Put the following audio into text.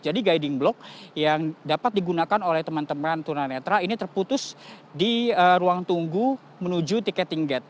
jadi guiding block yang dapat digunakan oleh teman teman tuna netra ini terputus di ruang tunggu menuju ticketing gate